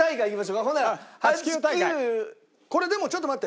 これでもちょっと待って。